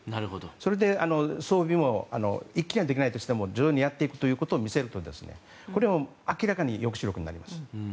それで、装備も一気にはできないとしても徐々にやっていくことを見せるとこれも、明らかに抑止力になります。